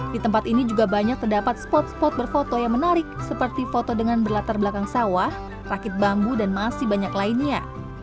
di tempat ini juga banyak terdapat spot spot berfoto yang menarik seperti foto dengan berlatar belakang sawah rakit bambu dan masih banyak lainnya